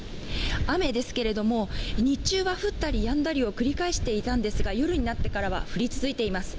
雨ですけれども日中は降ったりやんだりを繰り返していたんですが夜になってからは降り続いています。